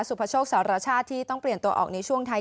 พโชคสารชาติที่ต้องเปลี่ยนตัวออกในช่วงไทย